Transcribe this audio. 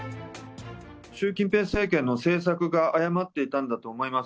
習近平政権の政策が誤っていたんだと思います。